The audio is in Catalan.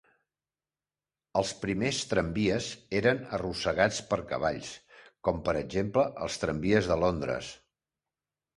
Els primers tramvies eren arrossegats per cavalls, com per exemple els tramvies de Londres.